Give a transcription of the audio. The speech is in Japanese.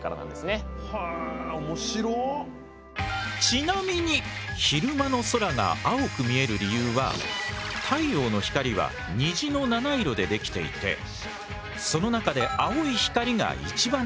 ちなみに昼間の空が青く見える理由は太陽の光は虹の７色で出来ていてその中で青い光が一番